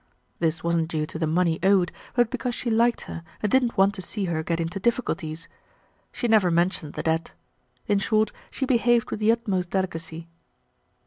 This wasn't due to the money owed but because she liked her and didn't want to see her get into difficulties. She never mentioned the debt. In short, she behaved with the utmost delicacy.